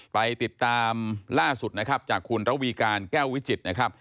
ไปติดตามล่าสุดนะครับจากคุณระวีการแก้ววิจิตรนะครับ